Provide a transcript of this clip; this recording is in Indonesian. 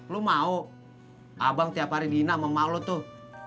lo mau abang tiap hari dina sama emak lo tuh